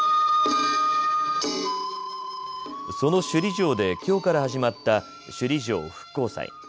その首里城できょうから始まった首里城復興祭。